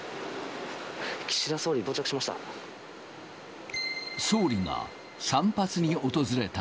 岸田総理、到着しました。